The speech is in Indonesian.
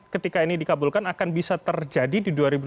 ketika ini dikabulkan akan bisa terjadi di dua ribu dua puluh empat